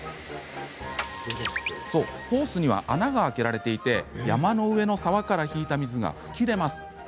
ホースには穴が開けられていて山の上の沢から引いた水が吹き出ます。